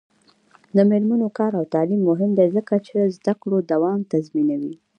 د میرمنو کار او تعلیم مهم دی ځکه چې زدکړو دوام تضمینوي.